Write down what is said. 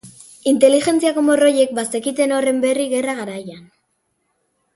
Inteligentziako morroiek bazekiten horren berri gerra-garaian.